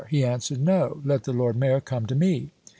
He answered, No! let the Lord Mayor come to me!